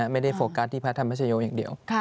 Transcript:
ไม่ได้โฟกัสที่พระธรรมพระชะโยคอย่างเดียว